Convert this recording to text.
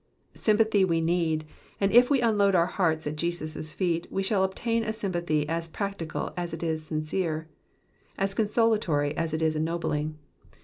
Sympathy we need, and if we unload our hearts at Jesus^ feet, we shall obtain a sympathy as practical as it is sincere, as consolatory as it is ennobling.